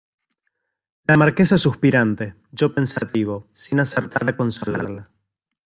la Marquesa suspirante, yo pensativo , sin acertar a consolarla.